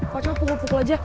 pak cak gue pukul aja